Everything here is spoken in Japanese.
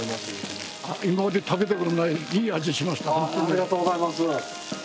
ありがとうございます。